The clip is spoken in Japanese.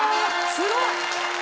すごい！